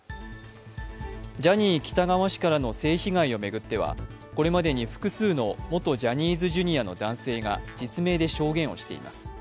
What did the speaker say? ジャニー喜多川氏からの性被害を巡っては、これまでに複数の元ジャニーズＪｒ．の男性が実名で証言をしています。